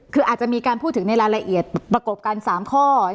คืออาจจะมีการพูดถึงในรายละเอียดประกบกัน๓ข้อ